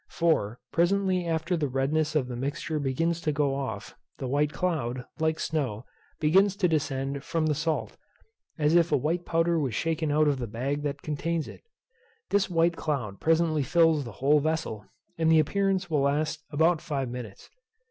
For, presently after the redness of the mixture begins to go off, the white cloud, like snow, begins to descend from the salt, as if a white powder was shaken out of the bag that contains it. This white cloud presently fills the whole vessel, and the appearance will last about five minutes.